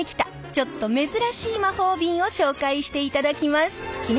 ちょっと珍しい魔法瓶を紹介していただきます。